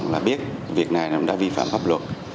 là biết việc này đã vi phạm pháp luật